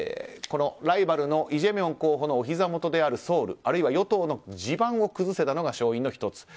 ライバルのイ・ジェミョン候補のおひざ元であるソウルあるいは与党の地盤を崩せたのが勝因の１つ。